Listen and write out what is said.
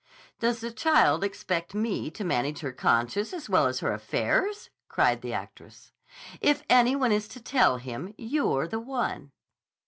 "Does the child expect me to manage her conscience as well as her affairs!" cried the actress. "If any one is to tell him, you're the one.